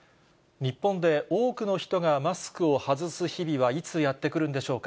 日本で多くの人がマスクを外す日々はいつやってくるんでしょうか。